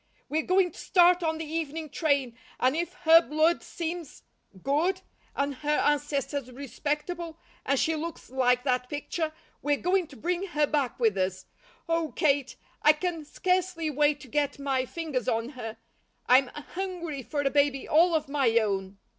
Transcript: We're going to start on the evening train and if her blood seems good, and her ancestors respectable, and she looks like that picture, we're going to bring her back with us. Oh, Kate, I can scarcely wait to get my fingers on her. I'm hungry for a baby all of my own."